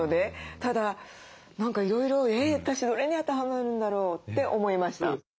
ただ何かいろいろ「え私どれに当てはまるんだろう？」って思いました。